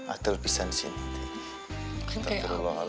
aduh pisah di sini neng